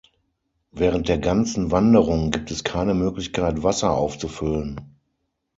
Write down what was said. Während der ganzen Wanderung gibt es keine Möglichkeit, Wasser aufzufüllen.